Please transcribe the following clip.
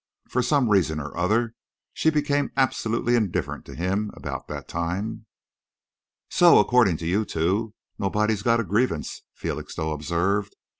For some reason or other she became absolutely indifferent to him about that time." "So, according to you two, nobody's got a grievance," Felixstowe observed.